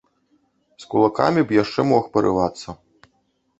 З кулакамі б яшчэ мог парывацца.